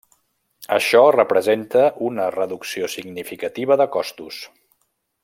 Això representa una reducció significativa de costos.